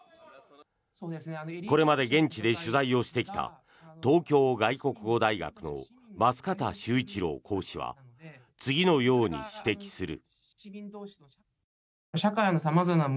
これまで現地で取材をしてきた東京外国語大学の舛方周一郎講師は次のように指摘する。